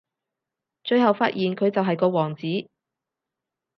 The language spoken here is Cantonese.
最後發現佢就係個王子